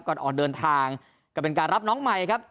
ก่อนออกเดินทางก็เป็นการรับน้องใหม่ครับ